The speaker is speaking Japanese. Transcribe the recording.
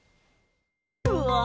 うわ！